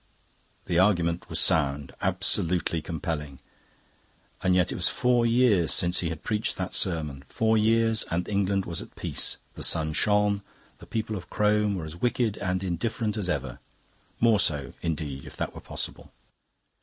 The argument was sound, absolutely compelling; and yet it was four years since he had preached that sermon; four years, and England was at peace, the sun shone, the people of Crome were as wicked and indifferent as ever more so, indeed, if that were possible.